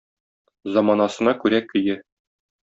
Заманасына күрә көе.